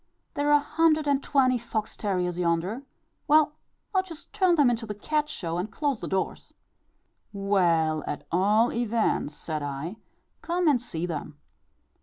There are a hundred and twenty fox terriers yonder; well, I'd just turn them into the cat show and close the doors." "Well, at all events," said I, "come and see them."